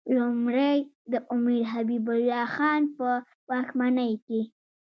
لومړی د امیر حبیب الله خان په واکمنۍ کې.